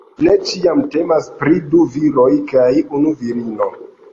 Ne ĉiam temas pri du viroj kaj unu virino.